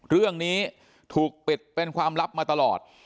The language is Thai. เรื่องนี้ถูกปิดเป็นความลับมาตลอด